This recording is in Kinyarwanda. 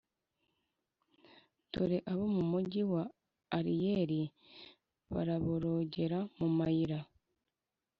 Dore abo mu mugi wa Ariyeli baraborogera mu mayira,